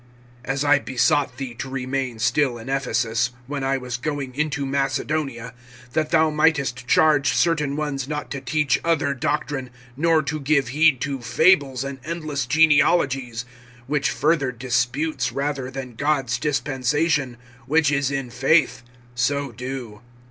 (3)As I besought thee to remain still in Ephesus, when I was going into Macedonia, that thou mightest charge certain ones not to teach other doctrine, (4)nor to give heed to fables and endless genealogies, which further disputes rather than God's dispensation, which is in faith, [so do.